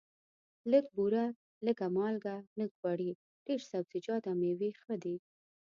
لږه بوره، لږه مالګه، لږ غوړي، ډېر سبزیجات او مېوې ښه دي.